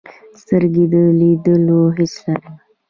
سترګې د لیدلو حس لري